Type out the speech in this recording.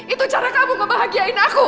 itu cara kamu membahagiain aku